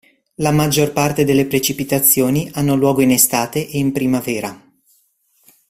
La maggior parte delle precipitazioni hanno luogo in estate e in primavera.